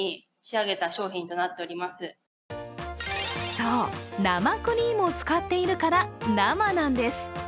そう、生クリームを使っているから、生なんです。